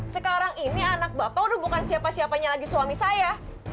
sekarang ini anak bapak udah bukan siapa siapanya lagi suami saya